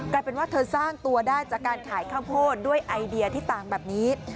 กลายเป็นว่าเธอสร้างตัวได้จากการขายข้าวโพดด้วยไอเดียที่ต่างแบบนี้